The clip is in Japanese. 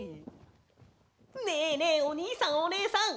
ねえねえおにいさんおねえさん！